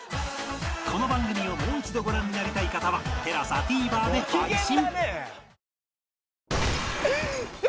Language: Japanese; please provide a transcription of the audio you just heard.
この番組をもう一度ご覧になりたい方は ＴＥＬＡＳＡＴＶｅｒ で配信